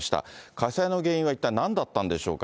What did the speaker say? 火災の原因は一体何だったんでしょうか。